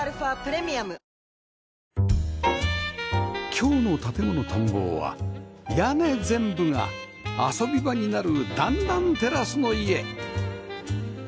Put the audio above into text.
今日の『建もの探訪』は屋根全部が遊び場になる段々テラスの家